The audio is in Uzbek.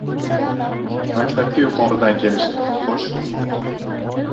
Maktabga «yuqori»dan kelishdi. Xo‘sh?